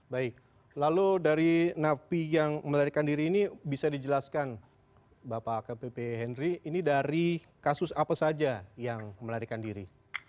baik lalu dari napi yang melarikan diri ini bisa dijelaskan bapak akpp henry ini dari kasus apa saja yang melarikan diri